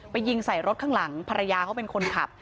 ยิงใส่รถข้างหลังภรรยาเขาเป็นคนขับ